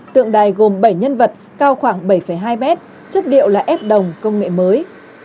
tượng đài gồm bảy nhân vật cao khoảng bảy hai mét chất điệu là ép đồng công nghệ mới